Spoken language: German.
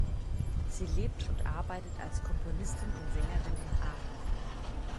Sie lebt und arbeitet als Komponistin und Sängerin in Aachen.